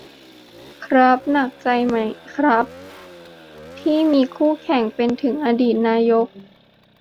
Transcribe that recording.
ครับ หนักใจไหมครับ ที่มีคู่แข่งเป็นถึงอดีตนายก